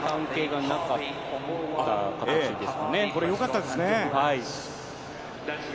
よかったですね。